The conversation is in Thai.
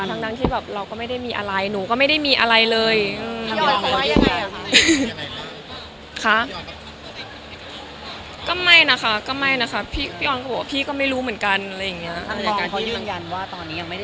ทางโมก็ยืนยันยังไม่ได้มีในการประชุมเรื่องการโปรด